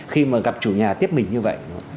khi mà gặp chủ nhà tiếp mình như vậy